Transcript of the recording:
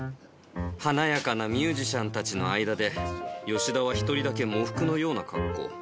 華やかなミュージシャンたちの間で、吉田は１人だけ喪服のような格好。